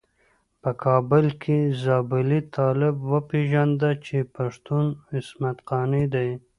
په کابل کې زابلي طالب وپيژانده چې پښتون عصمت قانع دی.